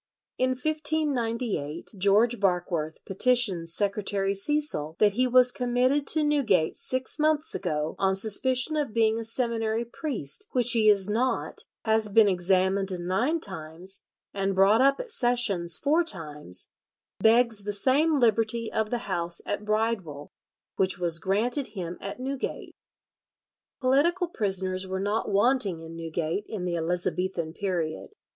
In 1598 George Barkworth petitions Secretary Cecil "that he was committed to Newgate six months ago on suspicion of being a seminary priest, which he is not; has been examined nine times, and brought up at Sessions four times; begs the same liberty of the house at Bridewell which was granted him at Newgate." Political prisoners were not wanting in Newgate in the Elizabethan period.